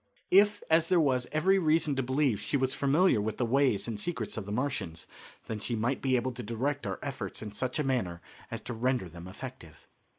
If, as there was every reason to believe, she was familiar with the ways and secrets of the Martians, then she might be able to direct our efforts in such a manner as to render them effective.